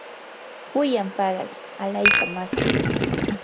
pullan paqas alaykamashqaa.